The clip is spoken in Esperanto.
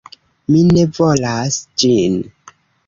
Mi ne volas ĝin!